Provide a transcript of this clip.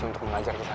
untuk mengajar ke sana